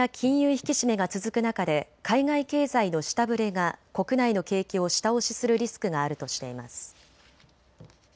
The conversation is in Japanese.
引き締めが続く中で海外経済の下振れが国内の景気を下押しするリスクがあるとしています。